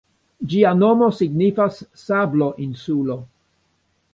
Ĝia nomo signifas "Sablo-insulo".